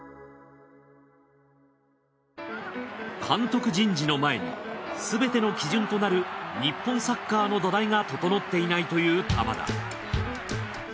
監督人事の前にすべての基準となる日本サッカーの土台が整っていないという玉田。